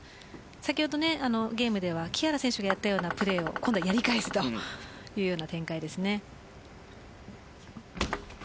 先ほどのゲームでは木原選手がやったようなプレーをやり返すというような展開ですね。